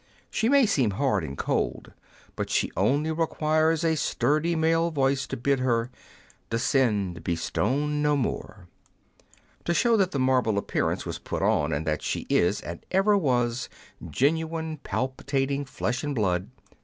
She may seem hard and cold, but she only requires a sturdy male voice to bid her Descend, be stone no more ! to show that the marble appearance was put on, and that she is, and ever was, genuine palpitating flesh and bSood.